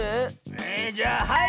えじゃあはい！